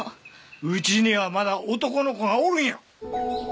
うちにはまだ男の子がおるんや！